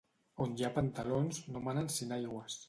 On hi ha pantalons, no manen sinagües.